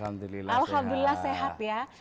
alhamdulillah sehat ya